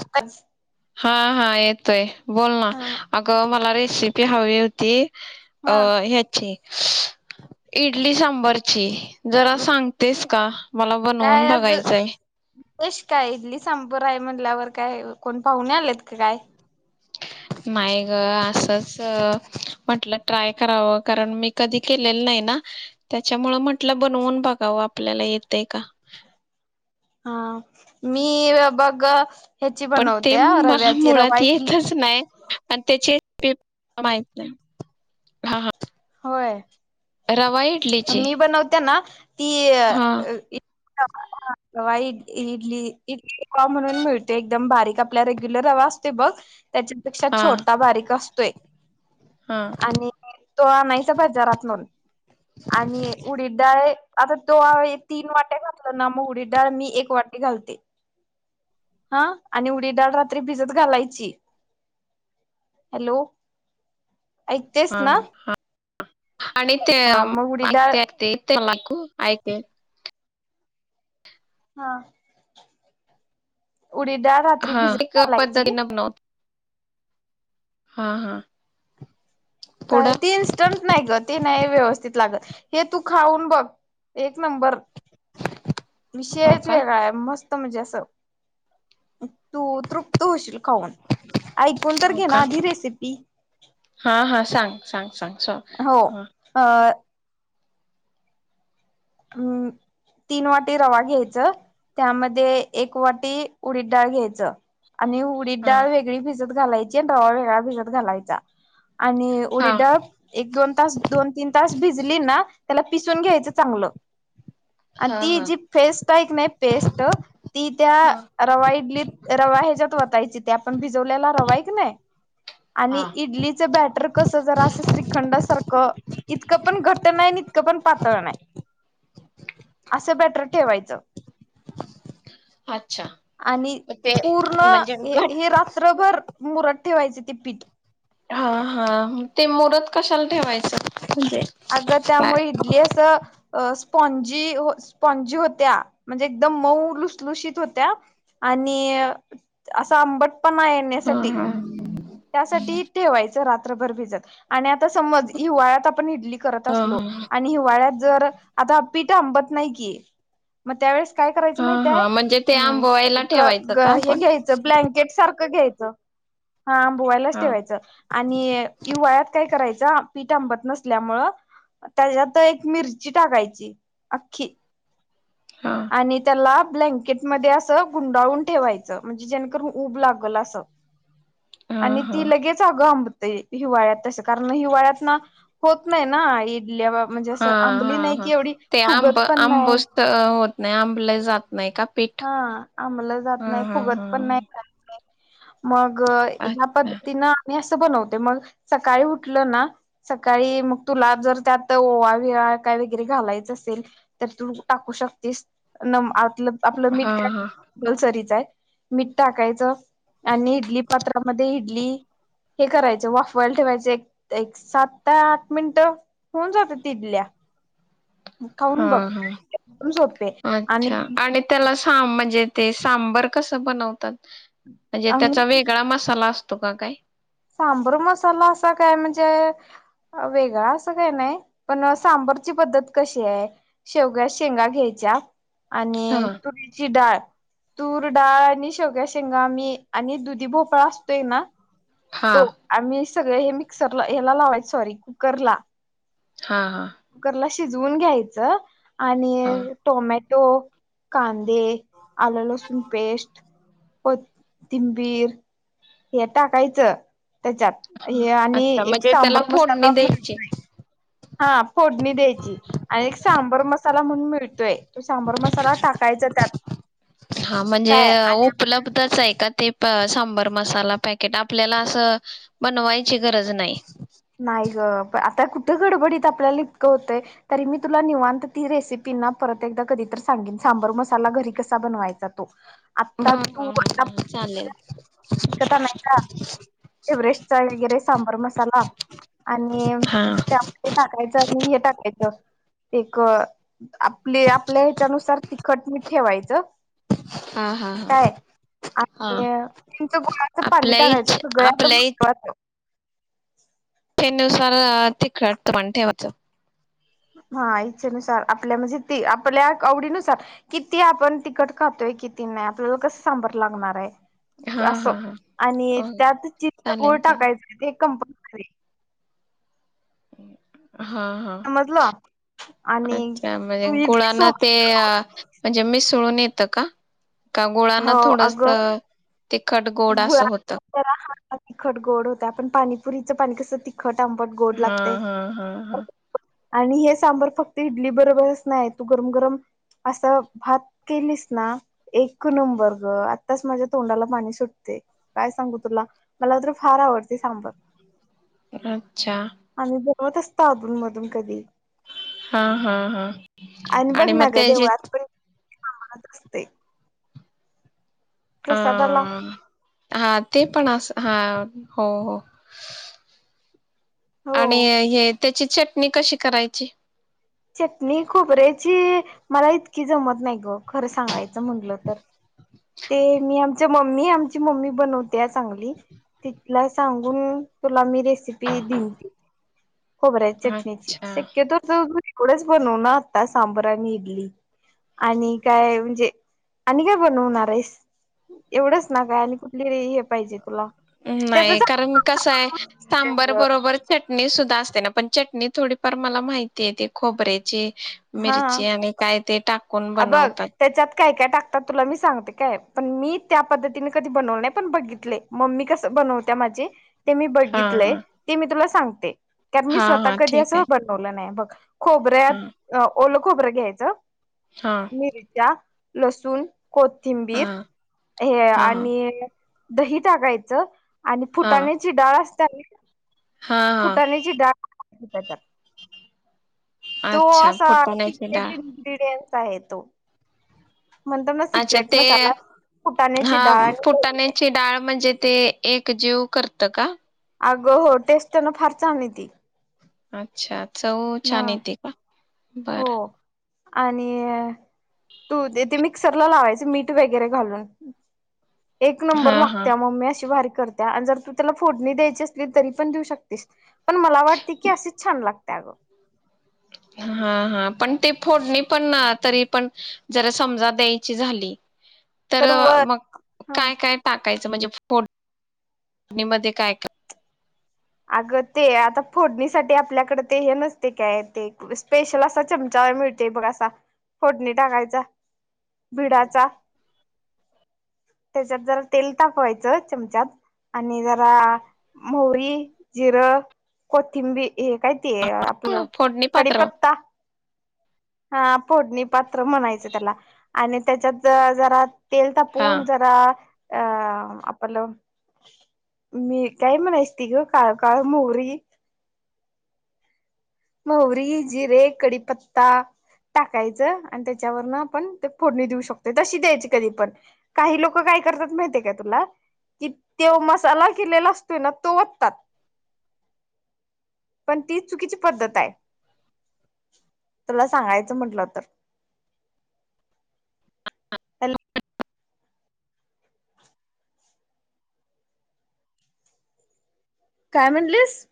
आत्ता हा, हा, येतोय. बोल ना, अगं मला रेसिप ते हवे होती अ हा हयाची इडली सांबरची. जरा मग सांगतेस का मला बनवून बघायचंय. खुश काय इडली साबंरय म्हणल्यावर काय कोण पाहुणे आलेत का काय? नाय ग असंच म्हटलं ट्राय करावं कारण मी कधी केलेलं नाही ना त्याच्यामुळं म्हटलं बनवून बघावं आपल्याला येतय का. हा मी अ बग पण ते मला मुळात येतच नाय. प त्याची टिप माहित नाय हा, हा होय इडलीची मी बनवते ना ती हां, इ ह रवा इडली इडलीरवा म्हणून मिळतोय एकदम बारीक आपला रेग्युलर रवा असतोय बघ त्याच्यापेक्षा हां, छोटा बारीक असतोय. हां, आणि तो आणायचा बजारातुन आणि उडीदडाळ आता तो आहे तीन वाट्या घातल ना मु उडीदडाळ मी एक वाटी घालते. हा आणि उडी डाळ रात्री भिजत घालायची. हॅलो ऐकतेस हां. ना? [unintelligible] आणि ते हा मग उडीद डाळ ऐकते, ऐकते ते माकू आयकेल हा उडीद डाळ रात्री हा एक भिजत घालायची पद्धतीनं बनवत हा, हा काय पुढं ती इन्स्टंट नाय ग ती नाय व्यवस्थित लागत हे तू खाऊन बघ एक नंबर. हो विषयच का वेगळाय मस् म्हणजे असं तू तृप्त होशील खाऊन ऐकून तर हो घे ना का आधी रेसिपी. हा हा सांग सांग सांग स हो हा अ हम्म तीन वाटी रवा घ्यायचं त्यामध्ये एक वाटी उडीद डाळ घ्यायचं आणि उडीद डाळ वेगळी भिज भिजत घालायची आणि रवा वेगळा भिजत घालायचा आणि हा उडीद हा डाळ एक-दोन तास दोन-तीन तास भिजली ना त्याला पिसून घ्यायचं चांगलं आण हा ती हा जी फेस्ट आहे की नाही पेस्ट ती त्या हा रवा इडलीत रवा ह्याच्यात वतायची ते आपण भिजवल्याला रवा आहे की नाही आणि हा इडलीचा बॅटर कस जरा असं श्रीखंडा सारखं इतकं पण घट नाही आणि इतकं पण पातळ नाही असं ब्याटर ठेवायचं अच्छा आणि ते पूर्ण म्हणजे हे घट हे रात्रभर मुरात ठेवायचे ते पीठ हा हा ते मुरत कशाला ठेवायचा? अगं त्यामुळे इडली असं अ स्पॉनजी, स्पॉनजी होत्या म्हणजे एकदम मऊ लुशलुशीत होत्या आणि असा आंबट हा हा त्यासाठी ठेवायचं रात्रभर भिजत आणि आता समज हिवाळ्यात आपण इडली करत हा असलो हा आणि हिवाळ्यात जर आता हा पीठ आंबत नाही की मग त्यावेळेस काय करायचं हा माहिती आहे हा म्हणजे ते हम्म आंबवायला एक ठेवायचं ग का हे आपण घ्यायचे ब्लँकेट सार का घ्यायचं? हा आंबवायलाच हा ठेवायचं आणि हिवाळ्यात काय कराय पीठ आंबट नसल्यामुळे त्याच्यात एक मिरची टाकायची अख्खी हा आणि त्याला ब्लँकेट मध्ये असं गुंडाळून ठेवायचं म्हणजे जेणेकरून उब लागल असं हा आणि हा ती लगेच अगं आंबत ते हिवाळ्यात तसं कारण हिवाळ्यात ना होत नाही ना हि हिल्यावर म्हणजे हा असं आंबली हा नाही हा की एवढी ते आंब फुगत पण नाही आंबूस होत नाही आंबलं जात नाही का पीठ हा आंबलं ह जात नाही ह ह फुगत पण नाही मग ग ह्या पद्धतीनं मी असं बनवते मग सकाळी उठलं ना सकाळी मग तुला जर त्यात ओवा-विवा काय वगैरे घालायचं असेल तर तू टाकू शकतेस नम आतलं आपलं मीठ हा काय हा कपल्सरीचा आहे? मीठ टाकायचं आणि इडली पात्रामध्ये इडली हे करायचं वाफवायला ठेवायचं एक एक सात ते आठ मिनिटं होऊन जात तिथल्या खाऊन हा बघ हा का सोपे आणि हां म्हणजे ते सांबर कस बनवतात म्हणजे आम्ही त्याचा वेगळा मसाला असतो तो का काय? सांबर मसाला असा काय म्हणजे वेगळा असं काय नाही पण सांबरची पद्धत कशी आहे शेवग्या शेंगा घ्यायच्या हा आणि तुरीची डाळ तूर डाळ आणि शेवग्या शेंगा मी आणि दुधी भोपळा असतोय ना हा तो आम्ही सगळ हे मिक्सरला ह्याला लावायच सॉरी कुकर ला हा हा कुकर ला शिजवून घ्यायचं हा आणि टोमॅट तो कांदे आलं लसूण पेस्ट कोथिंबीर हे टाकायचं त्याच्यात हे आणि अच्छा एक म्हणजे त्याला सांबर फोडणी मसाला द्यायची मिळतोय हा फोडणी द्यायची आणि एक सांबर मसाला म्हणून मिळतोय तो सांबर मसाला टाकायचा त्यात हा म्हणजे काय आणि आपण उपलब्धच आहे का ते सांबर मसाला पॅकेट आपल्याला असं बनवायची गरज नाही नाही ग प आता कुठ गडबडीत आपल्याला इतकं होतं तरी मी तुला निवांत ती रेसिपीना परत एकदा कधीत सांगेन सांबर मसाला घरी कसा बनवायचा तो आता ह तू आता चालेल विकत आणायचा एव्हरेस्ट चाय वगैरे सांबर मसाला आणि हा त्या टाकायचं आणि हे टाकायचं एक आपली आपल्या ह्याच्यानुसार तिखट मीठ ठेवायचं हा हा हा काय हा आणि तुमचं गुळाच पाणी आपल्या इच टाकायचं सगळ आता आपल्या महत्वाचं त्यानुसार तिकटतं पण ठेवायचं हा इच्छेनुसार आपल्या म्हणजे आपल्या आवडीनुसार किती आपण तिकट खातोय किती नाही आपल्याला कसं सांभर लागणार आहे हा अस हा हा आणि हो त्यात चित गोळ चालेल चालेल टाकायचं कंप खरे [inaudible] हा हा आणि अच्छा म्हणजे तू इडली गुळांना ते सोबत म्हणजे मिसळून येतं का? का गुळना हो थोडस अगं ते गुळा ह तिखट गोड होता पण पाणीपुरीच पाणी कस तिख हा हा हा हा आणि हे सांबर फक्त इडली बरोबरच नाही तू गरम गरम असा भात केलीस ना एक नंबर ग आत्ताच माझ्या तोंडाला पाणी सुट ते काय सांगू तुला मला तर फार आवडते सांबर अच्छा हो असत अधूनमधून कधी हा हा हा आणि म त्याजे कामाला असतय अ हा ते पणं अस हा हो हो हो आणि हे त्याची चटणी कशी करायची चटणी खोबऱ्याची मला इतकी जमत नाही ग खरं सांगायचं म्हटलं तर ते मी आमच्या मम्मी आमची मम्मी बनवते चांगली तिथला सांगून तुला मी रेसिपी देईन की. खोबऱ्याच्या चटणीची अच्छा शक्यतो एवढंच बनवण आता सांबर आणि इडली आणि काय म्हणजे आणि काय बनवणार आहेस एवढंच ना काय आणि कुठली हे पाहिजे तुला नाही त्याच कारण कसय सांबर बरोबर चटणी सुद्धा असते न पण चटणी थोडीफार मला माहिती येते ती खोबऱ्याची मिरची आणि काय ते टाक अ बघ त्याच्यात काय काय टाकतात तुला मी सांगते काय पण मी त्या पद्धतीने कधी बनवलं नाही पण बघितले मम्मी कस बनवत्या माझी ते मी हा बघितलंय हा ते मी तुला सांगते. कारण मी हा स्वतः हा कधी ठीक असं आहे बनवलं नाही बघ हा खोबऱ्यात ओल खोबरं घ्यायचं हा मिरच्या लसूून. हा कोथिंबीर हे हा आणि दही टाकाायचं. आणि हा फुटाण्याची डाळ अस चांगली. हा हा फुटानेची डा [unintelligible] अच्छा फुटाण्याची डाळ [unintelligible] आहे तो. म्हणतो ना अच्छा सिक्रेट ते मसाला फुटाण्याची हा डाळ आणि दही आहे. फुटाण्याची डाळ, म्हणजे ते? एकजीव करत का? अगं हो टेस्ट त्यान फार चांगली येती. अच्छा. चव हा छान येते पा हो बरं. आणि य हो ते ते मिक्सर ला लावायच मीठ वगैरे घालून एक नंबर हा हा लागत्या मम्मी अशी भारी करत्या अन जर तू त्याला फोडणी द्यायची असली तरी पण दिऊ शकतेस, पण मला वाटते की असच छान लागत्यां अग. हा हा, पण ते फोडणी पण, तरी पण जरा समजा द्यायची झाली त तर व मग ह काय, काय, टाकायचं म्हणजे. फोडणी मध्ये काय काय? अगं ते आता फोडणीसाठी आपल्याकडे ते हे नसते का ते स्पेशल असा चमचा मिळतय बघ असा फोडणी टाकायचा. बीडाचा त्याच्यात जरा तेल तापवायच चमच्यात आणि जरा मोहरी जिरं कोथिंबी हे काय हे आपलं फोडणी पात्र कडीपत्ता हा फोडणी पा म्हणायच त्याला आणि त्याच्यात ज जरा तेल हा तापून जरा अ आपल मी काय म्हणायसती ग काळ, काळ मोहरी मोहरी जिरे कडीपत्ता टाकायचं, आणि त्याच्यावर न आपण ते फोडणी देऊ शकतोय तशी द्यायची कधी पण काही लोक काय करतात माहितीय काय तुला, कि त्यो मसाला केलेला असतोय ना तो वोततात ती चुकीची पद्धत आहे, तुला सांगायचं म्हंटलं तर. काय म्हणलीस?